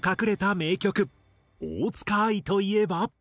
大塚愛といえば。